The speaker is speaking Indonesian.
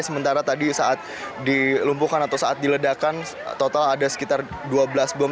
sementara tadi saat dilumpuhkan atau saat diledakan total ada sekitar dua belas bom